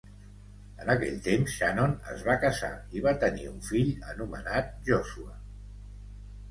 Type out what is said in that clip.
En aquell temps, Shannon es va casar i va tenir un fill anomenat Joshua.